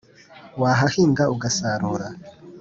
Wahahinga ugasarura,